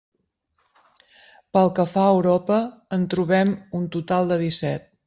Pel que fa a Europa en trobem un total de disset.